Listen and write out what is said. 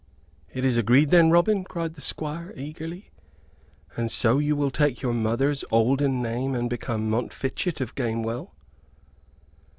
"It is agreed then, Robin?" cried the Squire, eagerly. "And so you will take your mother's olden name and become Montfichet of Gamewell?"